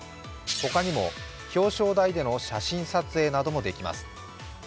他にも表彰台での写真撮影などもできます。